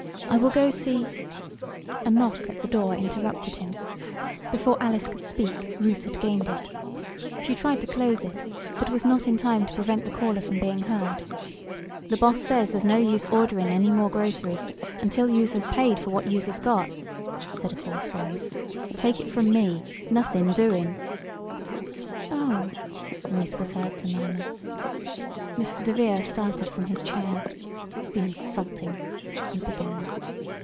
I will go see " A knock at the door interrupted him. Before Alice could speak Ruth had gained it. She tried to close it, but was not in time to prevent the caller from being heard. "The boss says there's no use orderin' any more groceries, until youse has paid for what youse has got," said a coarse voice. "Take it from me nothin' doin'!" "Oh!" Ruth was heard to murmur. Mr. DeVere started from his chair. "The insulting " he began.